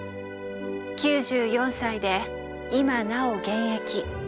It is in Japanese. ９４歳で今なお現役。